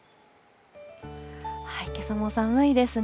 けさも寒いですね。